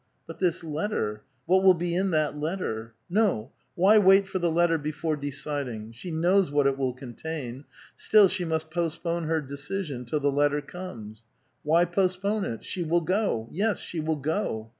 But this letter; what will be in that letter? No; wh}' wait for the letter before deciding? She knows what it will contain : still she must postpone her decision till the letter comes. Why postpone it? She will go; yes, she will go